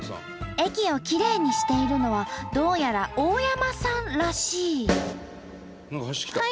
駅をきれいにしているのはどうやらオオヤマさんらしい。